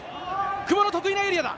久保の得意なエリアだ。